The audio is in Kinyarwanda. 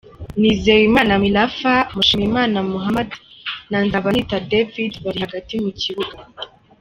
Nizeyimana Mirafa, Mushimiyimana Mohammed na Nzabanita David bari hagati mu kibuga.